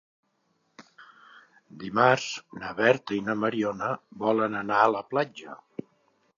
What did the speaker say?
Dimarts na Berta i na Mariona volen anar a la platja.